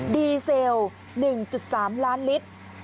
ดีเซล๑๓ล้านลิตร